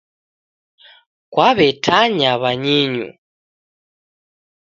Kwaw'etanya w'anyinyu